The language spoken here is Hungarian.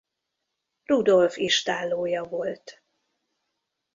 Rudolf istállója volt.